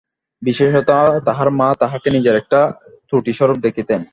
বিশেষত, তাহার মা তাহাকে নিজের একটা ত্রুটিস্বরূপ দেখিতেন।